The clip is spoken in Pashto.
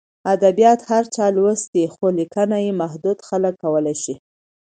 ادبیات هر چا لوستي، خو لیکنه محدود خلک کولای شي.